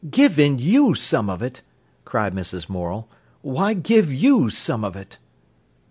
"Given you some of it!" cried Mrs. Morel. "Why give you some of it!"